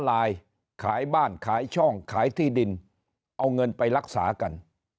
ลายขายบ้านขายช่องขายที่ดินเอาเงินไปรักษากัน